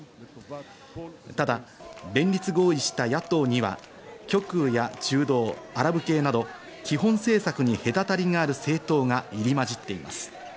ただ連立合意した野党には、極右や中道、アラブ系など、基本政策に隔たりがある政党が入り混じっています。